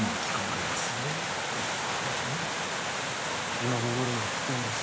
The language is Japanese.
「今戻るのは危険です。